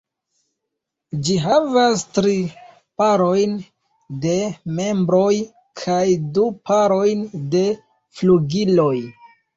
Ĝi havas tri parojn de membroj kaj du parojn de flugiloj.